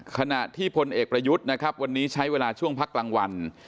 ขณะที่พลเอกประยุทธ์นะครับวันนี้ใช้เวลาช่วงพักกลางวัน